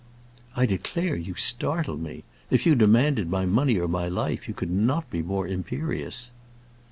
"I declare you startle me. If you demanded my money or my life, you could not be more imperious."